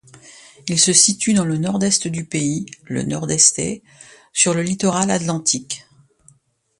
Il se situe dans le nord-est du pays, le Nordeste, sur le littoral atlantique.